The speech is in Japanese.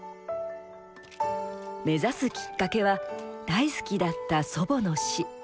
目指すきっかけは大好きだった祖母の死。